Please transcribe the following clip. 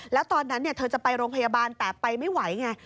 แล้วตอนนั้นเธอจะไปโรงพยาบาลแต่ไปไม่ไหวไง